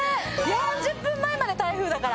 ４０分前まで台風だから。